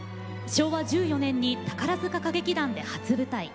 昭和１４年に宝塚歌劇団で初舞台。